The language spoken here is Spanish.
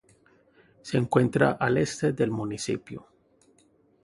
Se encuentra al este del municipio.